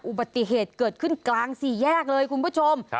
อุบัติเหตุเกิดขึ้นกลางสี่แยกเลยคุณผู้ชม